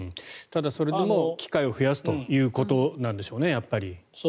ただ、それでも機会を増やすということなんでしょうね。